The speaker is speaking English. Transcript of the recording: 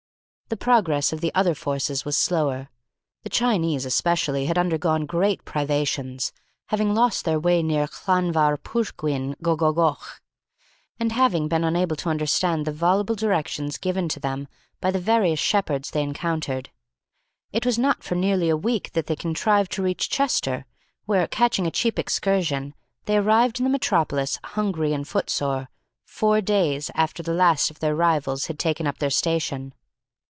The progress of the other forces was slower. The Chinese especially had undergone great privations, having lost their way near Llanfairpwlgwnngogogoch, and having been unable to understand the voluble directions given to them by the various shepherds they encountered. It was not for nearly a week that they contrived to reach Chester, where, catching a cheap excursion, they arrived in the metropolis, hungry and footsore, four days after the last of their rivals had taken up their station.